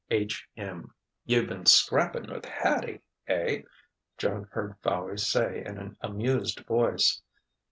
H. M." "You've been scrapping with Hattie, eh?" Joan heard Fowey say in an amused voice.